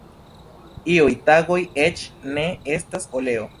Iuj tagoj eĉ ne estas oleo.